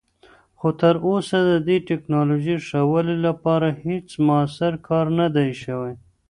خو تراوسه د دې تکنالوژۍ ښه والي لپاره هیڅ مؤثر کار نه دی شوی.